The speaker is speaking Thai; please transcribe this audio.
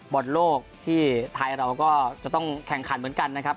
บอลโลกที่ไทยเราก็จะต้องแข่งขันเหมือนกันนะครับ